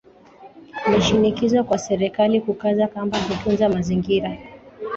Ni shinikizo kwa serikali kukaza kamba kutunza mazingira